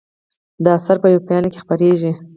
دا اثر په وېبپاڼه کې خپریږي.